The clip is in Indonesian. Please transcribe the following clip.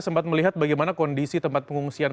sempat melihat bagaimana kondisi tempat pengungsian